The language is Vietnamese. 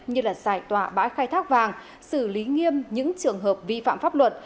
như giải tỏa bãi khai thác vàng xử lý nghiêm những trường hợp vi phạm pháp luật